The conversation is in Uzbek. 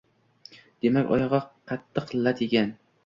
Demak, oyog‘i qattiq lat yegan.